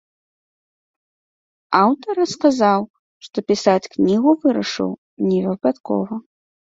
Аўтар расказаў, што пісаць кнігу вырашыў невыпадкова.